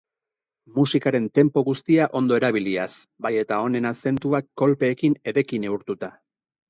Musikaren tempo guztia ondo erabiliaz, bai eta honen azentuak kolpeekin edeki neurtuta.